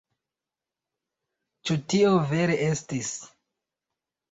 Ĉu tio vere estis?